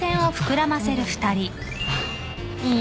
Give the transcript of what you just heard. いい？